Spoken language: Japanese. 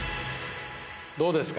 どうですか？